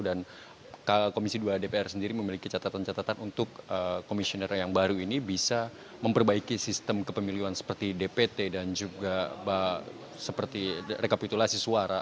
dan komisi ii dpr sendiri memiliki catatan catatan untuk komisioner yang baru ini bisa memperbaiki sistem kepemilihan seperti dpt dan juga seperti rekapitulasi suara